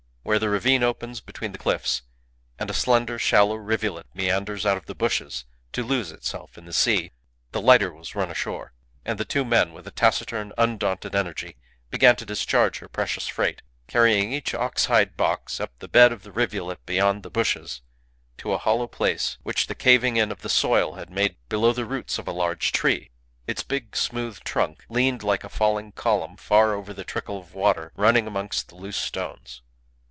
Where the ravine opens between the cliffs, and a slender, shallow rivulet meanders out of the bushes to lose itself in the sea, the lighter was run ashore; and the two men, with a taciturn, undaunted energy, began to discharge her precious freight, carrying each ox hide box up the bed of the rivulet beyond the bushes to a hollow place which the caving in of the soil had made below the roots of a large tree. Its big smooth trunk leaned like a falling column far over the trickle of water running amongst the loose stones.